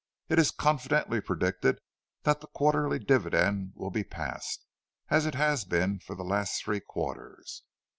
It is confidently predicted that the quarterly dividend will be passed, as it has been for the last three quarters.